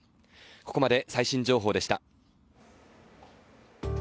ここまで最新情報でした。